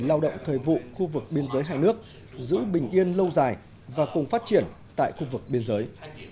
lao động thời vụ khu vực biên giới hai nước giữ bình yên lâu dài và cùng phát triển tại khu vực biên giới